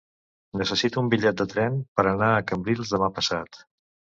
Necessito un bitllet de tren per anar a Cambrils demà passat.